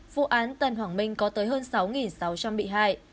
vụ án tân hoàng minh có tới hơn sáu sáu trăm linh bị hại